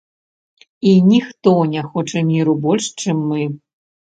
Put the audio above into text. І ніхто не хоча міру больш, чым мы.